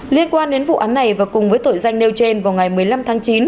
liên quan đến vụ án này và cùng với tội danh nêu trên vào ngày một mươi năm tháng chín